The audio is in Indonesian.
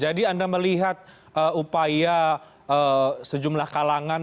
jadi anda melihat upaya sejumlah kalangan